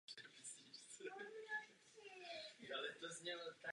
Zahrála si i v několika celovečerních filmech.